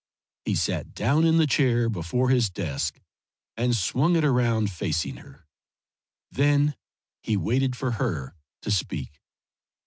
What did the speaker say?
He sat down in the chair before his desk, and swung it around facing her. Then he waited for her to speak.